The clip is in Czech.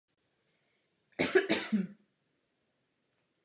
Jednotlivé lístky jsou četné a celokrajné.